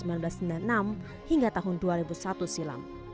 tahun seribu sembilan ratus sembilan puluh enam hingga tahun dua ribu satu silam